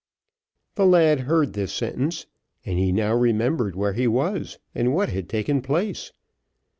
The lad heard this sentence, and he now remembered where he was, and what had taken place.